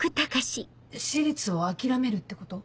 私立を諦めるってこと？